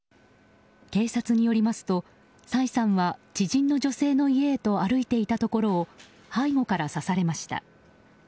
警察によりますと、崔さんは知人の女性の家へと歩いていたところを背後から刺されました。